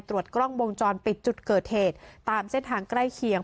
ตรวจกล้องวงจรปิดจุดเกิดเหตุตามเส้นทางใกล้เคียง